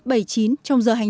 đại sứ quán việt nam